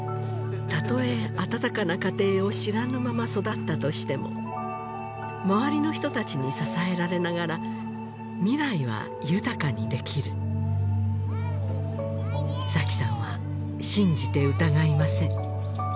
例えあたたかな家庭を知らぬまま育ったとしても周りの人たちに支えられながら未来は豊かにできる紗妃さんは信じて疑いません